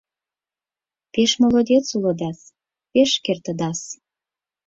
— Пеш молодец улыдас, пеш кертыдас...